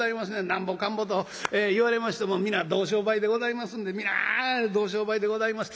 なんぼかんぼと言われましても皆同商売でございますんで皆同商売でございます。